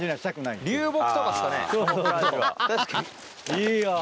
いいよ。